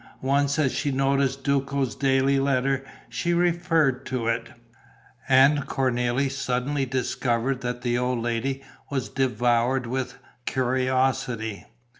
Once, as she noticed Duco's daily letter, she referred to it; and Cornélie suddenly discovered that the old lady was devoured with curiosity.